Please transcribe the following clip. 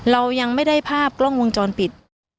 เรายังไม่ได้ภาพกล้องวงจรปิด